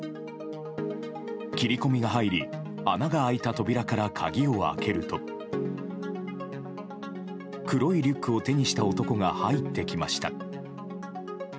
切り込みが入り穴が開いた扉から鍵を開けると黒いリュックを手にした男が入ってきました。